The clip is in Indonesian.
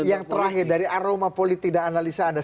yang terakhir dari aroma politik dan analisa anda